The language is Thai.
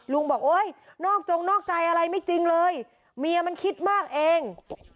บอกโอ๊ยนอกจงนอกใจอะไรไม่จริงเลยเมียมันคิดมากเอง